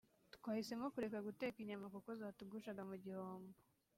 twahisemo kureka guteka inyama kuko zatugushaga mu gihombo